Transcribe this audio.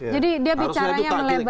jadi dia bicaranya melebar